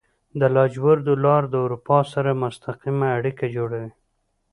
د لاجوردو لاره د اروپا سره مستقیمه اړیکه جوړوي.